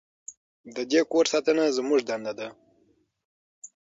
د دې کور ساتنه زموږ دنده ده.